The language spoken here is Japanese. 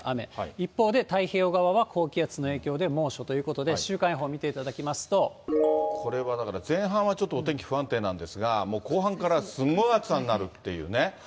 一方で太平洋側は高気圧の影響で猛暑ということで、これはだから、前半はちょっとお天気不安定なんですが、もう後半からすんごい暑さになるっていうね。